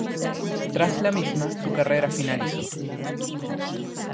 Tras la misma su carrera finalizó.